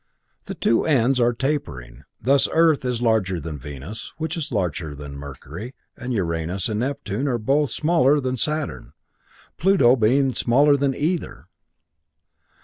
The two ends are tapering, thus Earth is larger than Venus, which is larger than Mercury, and Uranus and Neptune are both smaller than Saturn, Pluto being smaller than either.